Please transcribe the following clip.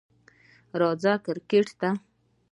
راځئ کریکټ ته!